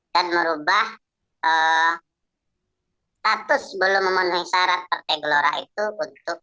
dan merubah status belum memenuhi syarat partai gelora itu untuk